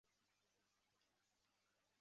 在二号出口